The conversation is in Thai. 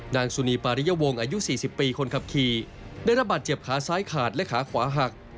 นางสุนีปาริยวงอายุ๔๐ปีคนขับขี่ได้ระบาดเจ็บขาซ้ายขาดและขาขวาหัก